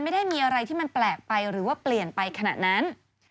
ไม่ได้มีอะไรที่มันแปลกไปหรือว่าเปลี่ยนไปขนาดนั้น